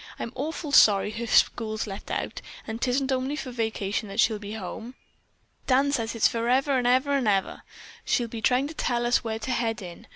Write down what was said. I'm awful sorry her school's let out, and 'tisn't only for vacation that she'll be home. Dan says it's forever 'n ever 'n ever. She'll be trying to tell us where to head in.